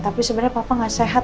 tapi sebenernya papa gak sehat gak